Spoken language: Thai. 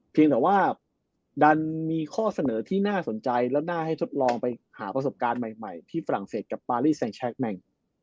เพียงแต่ว่าดันมีข้อเสนอที่น่าสนใจแล้วน่าให้ทดลองไปหาประสบการณ์ใหม่ที่ฝรั่งเศสกับปารีแซงแชคแมง